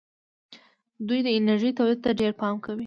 دوی د انرژۍ تولید ته ډېر پام کوي.